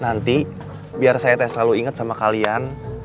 nanti biar saya tak selalu inget sama kalian